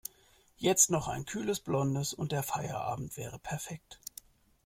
Jetzt noch ein kühles Blondes und der Feierabend wäre perfekt.